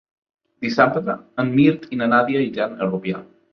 Dissabte en Mirt i na Nàdia iran a Rupià.